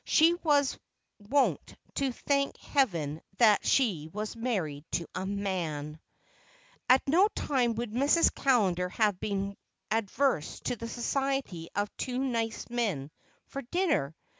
She was wont to thank Heaven that she was married to a man. At no time would Mrs. Callender have been averse to the society of two nice men for dinner.